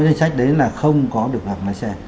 hay sách đấy là không có được học lái xe